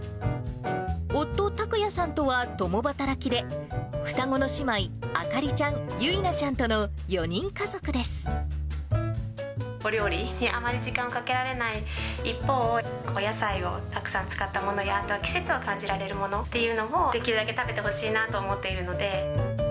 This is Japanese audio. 夫、拓也さんとは共働きで、双子の姉妹、朱莉ちゃん、お料理にあまり時間かけられない一方、お野菜をたくさん使ったものや季節を感じられるものっていうのを、できるだけ食べてほしいなと思っているので。